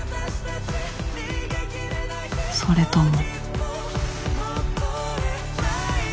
それとも？